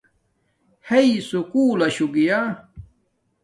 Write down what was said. ھݵ سکُول لشو گیا